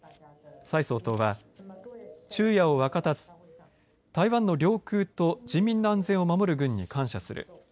蔡総統は昼夜を分かたず台湾の領空と人民の安全を守る軍に感謝する。